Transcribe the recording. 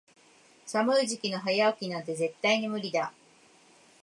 寒い時期の早起きなんて絶対に無理だ。